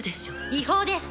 違法です